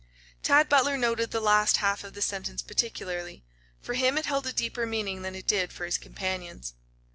Tad Butler noted the last half of the sentence particularly. For him it held a deeper meaning than it did for his companions.